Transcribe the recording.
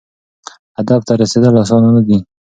هدف ته رسیدل اسانه نه دي.